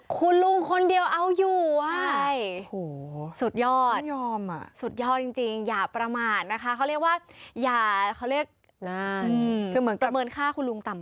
คุณลุงคนเดียวเอาอยู่ไว้สุดยอดสุดยอดจริงอย่าประมาณนะคะเขาเรียกว่าอย่าเขาเรียกประเมินค่าคุณลุงต่ำไป